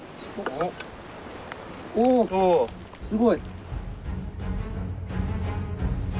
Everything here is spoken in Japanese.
おおすごい。